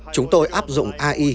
chúng tôi áp dụng ai